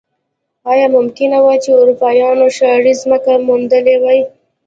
ایا ممکنه وه چې اروپایانو شاړې ځمکې موندلی وای.